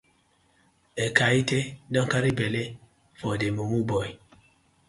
Ekaete don carry belle for dey mumu boy.